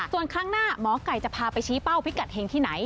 ส่วนครั้งหน้าหมอไก่จะพาไปชี้เป้าพิกัดเฮงที่ไหน